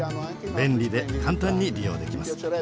便利で簡単に利用できます。